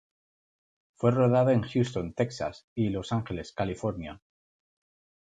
Fue rodada en Houston, Texas, y Los Ángeles, California.